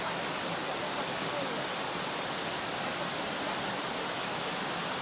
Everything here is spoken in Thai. หลุดหลานมาขอโศกขอราบขอโศกขอหมาน